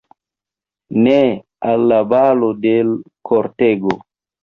Ne; al la balo de l' kortego!